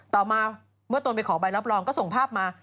ต่อมาเมื่อตนไปขอใบรับรองก็ส่งภาพมา